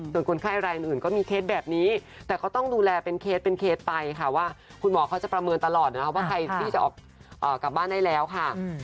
ส่วนคนไข้รายอื่นก็มีเคสแบบนี้แต่ก็ต้องดูแลเป็นเคสเป็นเคสไปค่ะว่าคุณหมอเขาจะประเมินตลอดนะครับว่าใครที่จะออกกลับบ้านได้แล้วค่ะ